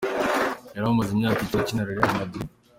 Yari amaze imyaka icyenda akinira Real Madrid.